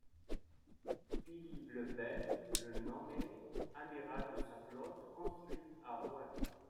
Philippe le Bel le nomme amiral de sa flotte construite à Rouen.